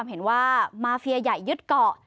มาเฟียใหญ่ยึดเกาะ